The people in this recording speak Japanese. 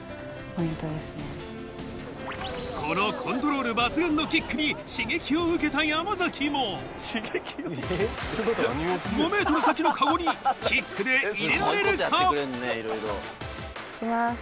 このコントロール抜群のキックに刺激を受けた山崎も５ｍ先のカゴにキックで入れられるか？